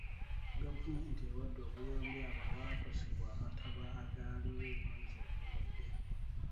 Gavumenti ewadde obuyambi abo abaakosebwa amataba agaaliwo omwezi oguwedde.